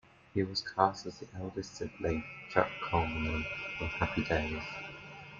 He was cast as the eldest sibling, Chuck Cunningham, on "Happy Days".